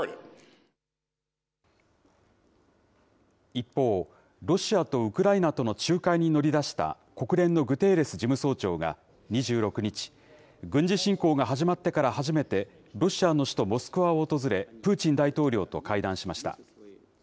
一方、ロシアとウクライナとの仲介に乗り出した、国連のグテーレス事務総長が２６日、軍事侵攻が始まってから初めてロシアの首都モスクワを訪れ、プーチン大統領と会談しました。